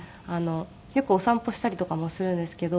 よくお散歩したりとかもするんですけど。